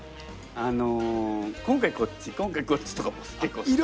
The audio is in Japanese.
あの「今回こっち今回こっち」とかも結構好き。